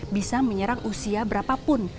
bisa menyerang usia berapapun